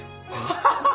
ハハハハ！